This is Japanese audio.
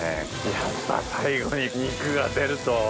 やっぱ最後に肉が出ると。